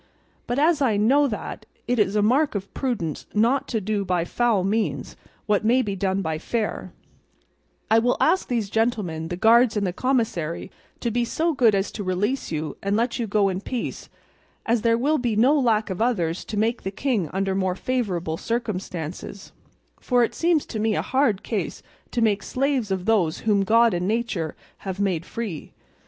But as I know that it is a mark of prudence not to do by foul means what may be done by fair, I will ask these gentlemen, the guards and commissary, to be so good as to release you and let you go in peace, as there will be no lack of others to serve the king under more favourable circumstances; for it seems to me a hard case to make slaves of those whom God and nature have made free.